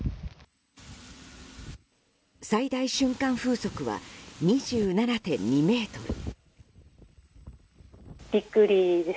最大瞬間風速は２７．２メートル。